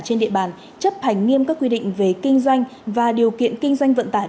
trên địa bàn chấp hành nghiêm các quy định về kinh doanh và điều kiện kinh doanh vận tải